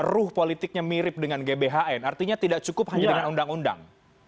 ruh politiknya mirip dengan gbhn artinya tidak cukup hanya dengan undang undang